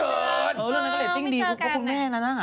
เรื่องนั้นเรตติ้งดีเพราะคุณแม่นั้นน่ะ